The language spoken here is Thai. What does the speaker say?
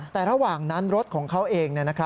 แต่ระหว่างนั้นรถของเขาเอง